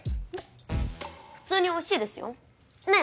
普通においしいですよねぇ